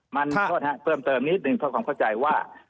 มันขอโทษนะครับเติมเติมนิดหนึ่งเพราะความเข้าใจว่า